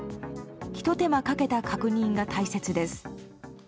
ひと手間かけた確認が大切です。